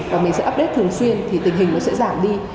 và mình sẽ update thường xuyên thì tình hình nó sẽ giảm đi